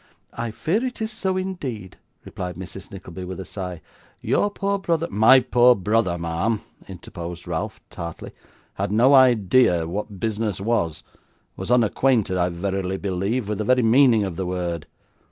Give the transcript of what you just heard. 'I fear it is so indeed,' replied Mrs. Nickleby with a sigh. 'Your poor brother ' 'My poor brother, ma'am,' interposed Ralph tartly, 'had no idea what business was was unacquainted, I verily believe, with the very meaning of the word.